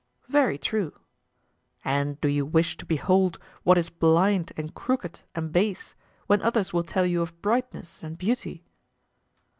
Very true. And do you wish to behold what is blind and crooked and base, when others will tell you of brightness and beauty?